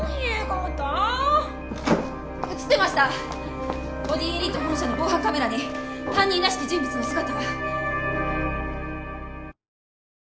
ボディエリート本社の防犯カメラに犯人らしき人物の姿が。